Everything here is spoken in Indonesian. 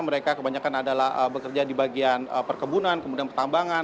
mereka kebanyakan adalah bekerja di bagian perkebunan kemudian pertambangan